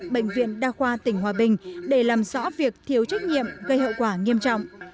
bệnh viện đa khoa tỉnh hòa bình để làm rõ việc thiếu trách nhiệm gây hậu quả nghiêm trọng